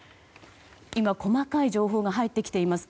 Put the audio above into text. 今、細かい情報が入ってきています。